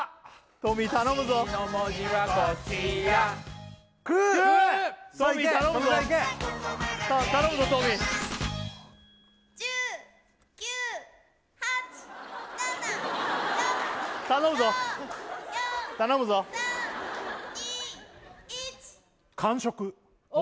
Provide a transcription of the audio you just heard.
トミー頼むぞ頼むぞトミー頼むぞ頼むぞ・おお！